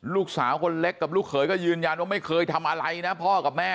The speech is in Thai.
ลูกสาวคนเล็กกับลูกเขยก็ยืนยันว่าไม่เคยทำอะไรนะพ่อกับแม่